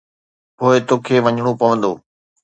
پوءِ توکي وڃڻو پوندو.